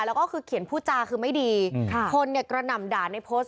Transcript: แล้วก็คือเขียนพูดจาคือไม่ดีค่ะคนเนี่ยกระหน่ำด่าในโพสต์